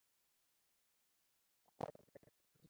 যা তোমাকে দেয়া হয়েছে তা কি তোমার জন্যে যথেষ্ট নয়?